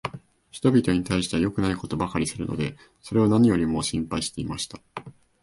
人びとに対しては良くないことばかりするので、それを何よりも心配していました。